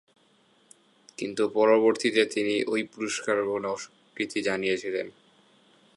কিন্তু পরবর্তীতে তিনি ঐ পুরস্কার গ্রহণে অস্বীকৃতি জানিয়েছিলেন।